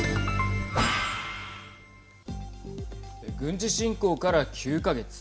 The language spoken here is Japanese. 軍事侵攻から９か月。